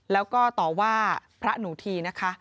แล้วก็ต่อว่าพระหนูทีนะคะ